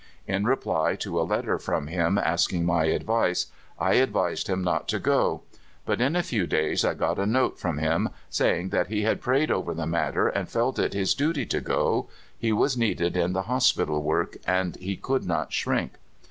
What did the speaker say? In reply to a letter from him asking my advice, I advised him not to go. But in a few days I got a note from him, saying that he had prayed over the matter, and felt it his duty to go — he was needed in the hospital work, and he could not shrink.